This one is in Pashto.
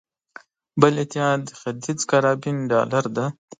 بل اتحاد د ختیځ کارابین ډالر دی.